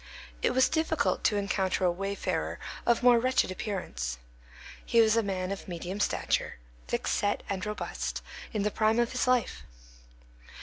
It was difficult to encounter a wayfarer of more wretched appearance. He was a man of medium stature, thickset and robust, in the prime of life.